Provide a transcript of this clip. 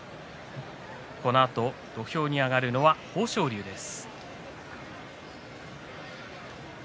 このあと土俵に上がるのは豊昇龍です。